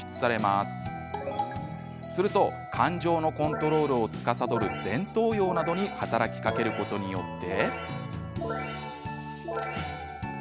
すると、感情のコントロールをつかさどる前頭葉などに働きかけることによって。